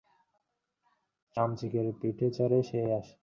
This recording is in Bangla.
চামচিকের পিঠে চড়ে সে আসে!